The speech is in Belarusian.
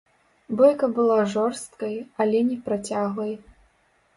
Бойка была жорсткай, але не працяглай.